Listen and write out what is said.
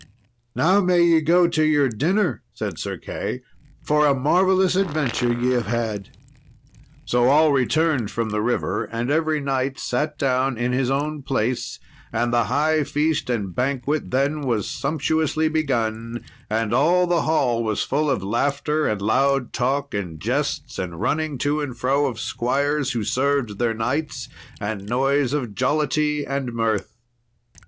"Now may ye go to your dinner," said Sir Key, "for a marvellous adventure ye have had." So all returned from the river, and every knight sat down in his own place, and the high feast and banquet then was sumptuously begun, and all the hall was full of laughter and loud talk and jests, and running to and fro of squires who served their knights, and noise of jollity and mirth.